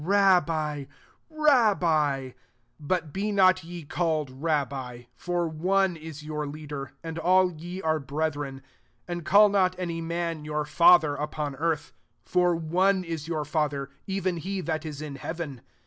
Rabbi, [Rabbi]. 8 But be not ye called Rabbi: for one is your Leader; and all ye are brethren. 9 And call not any man your Father upon earth : for one is your Fa ther, even he that is in heaven.